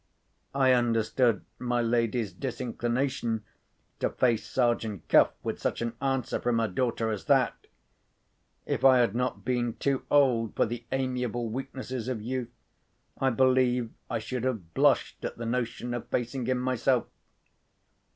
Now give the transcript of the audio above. I understood my lady's disinclination to face Sergeant Cuff with such an answer from her daughter as that. If I had not been too old for the amiable weaknesses of youth, I believe I should have blushed at the notion of facing him myself.